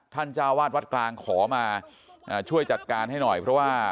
เจ้าวาดวัดกลางขอมาช่วยจัดการให้หน่อยเพราะว่า